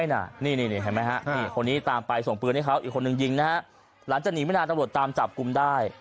นี่เห็นไหมฮะนี่คนนี้ตามไปส่งปืนให้เขาอีกคนนึงยิงนะฮะหลังจากหนีไม่นานตำรวจตามจับกลุ่มได้